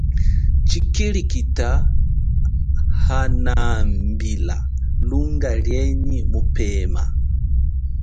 Tshikilikita hanambila lunga lienyi mupema.